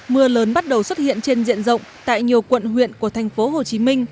mưa lớn bắt đầu xuất hiện trên diện rộng tại nhiều quận huyện của tp hcm